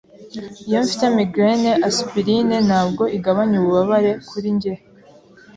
Iyo mfite migraine, aspirine ntabwo igabanya ububabare kuri njye.